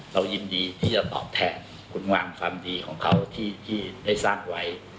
เรายินดีที่จะตอบแทนคุณงามความดีของเขาที่ได้สร้างไว้